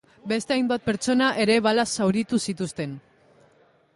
Beste hainbat pertsona ere balaz zauritu zituzten.